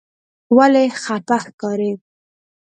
ولې خپه ښکارې؟